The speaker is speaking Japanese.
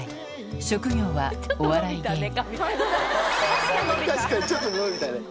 職業はお笑い芸人。